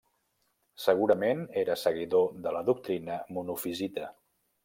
Segurament era seguidor de la doctrina monofisita.